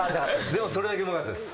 でもそれだけうまかったです。